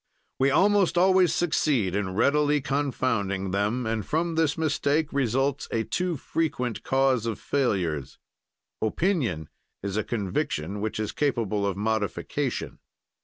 "We almost always succeed in readily confounding them, and from this mistake results a too frequent cause of failures. "Opinion is a conviction which is capable of modification.